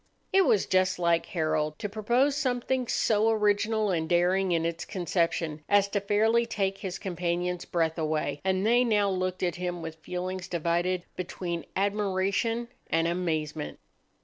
It was just like Harold to propose something so original and daring in its conception as to fairly take his companions' breath away, and they now looked at him with feelings divided between admiration and amazement.